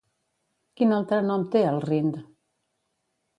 Quin altre nom té el Rindr?